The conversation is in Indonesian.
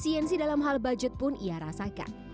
esensi dalam hal budget pun ia rasakan